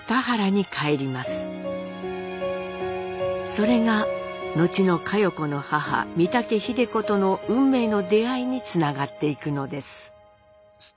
それが後の佳代子の母三竹秀子との運命の出会いにつながっていくのです。